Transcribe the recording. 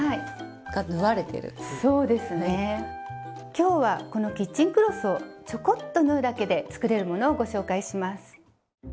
今日はこのキッチンクロスをちょこっと縫うだけで作れるものをご紹介します。